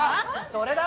それだ！